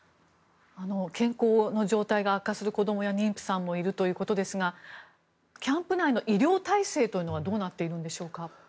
健康の状態が悪化する子供や妊婦さんもいるということですがキャンプ内の医療体制はどうなっているんでしょうか？